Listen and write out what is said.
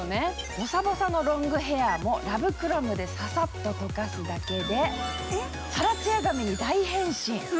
ボサボサのロングヘアもラブクロムでとかすだけでさらつや髪に大変身。